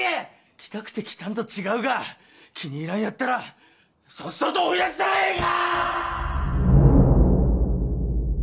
来たくて来たんと違うが気に入らんやったらさっさと追い出したらええが！